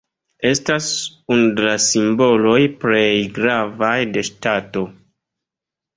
Estas unu de la simboloj plej gravaj de ŝtato.